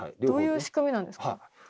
どういう仕組みなんですか？